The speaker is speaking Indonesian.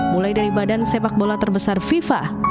mulai dari badan sepak bola terbesar fifa